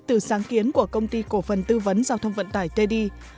từ sáng kiến của công ty cổ phần tư vấn giao thông vận tải td